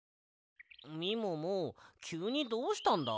みももきゅうにどうしたんだ？